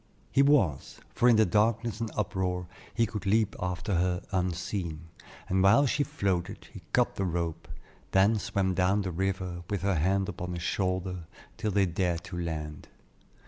He was, for in the darkness and uproar, he could leap after her unseen, and while she floated, he cut the rope, then swam down the river with her hand upon his shoulder till they dared to land.